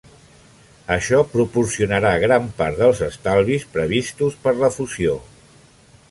Això proporcionarà gran part dels estalvis previstos per la fusió.